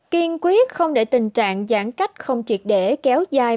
kiên quyết không để tình trạng giãn cách không triệt để kéo dài